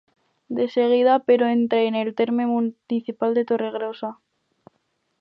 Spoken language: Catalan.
De seguida, però, entra en el terme municipal de Torregrossa.